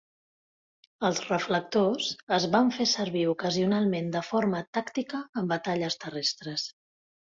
Els reflectors es van fer servir ocasionalment de forma tàctica en batalles terrestres.